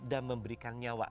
dan memberikan nyawa